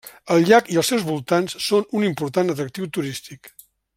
El llac i els seus voltants són un important atractiu turístic.